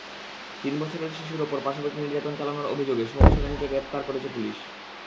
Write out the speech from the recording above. তিন বছরের শিশুর ওপর পাশবিক নির্যাতন চালানোর অভিযোগে সোম সরেনকে গ্রেপ্তার করেছে পুলিশ।